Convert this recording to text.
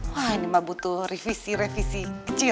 wah ini mah butuh revisi revisi kecil